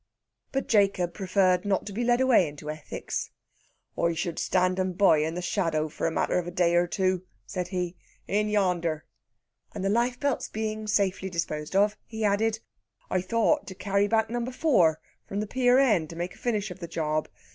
But Jacob preferred not to be led away into ethics. "I should stand 'em by, in the shadow, for the matter of a day or two," said he. "In yander." And the life belts being safely disposed of, he added: "I thought to carry back number fower from the pier end, and make a finish of the job.